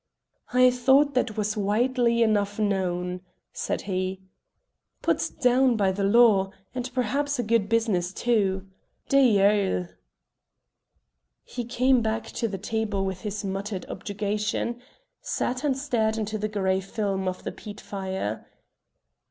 "I thought that was widely enough known," said he. "Put down by the law, and perhaps a good business too. Diaouil!" He came back to the table with this muttered objurgation, sat and stared into the grey film of the peat fire.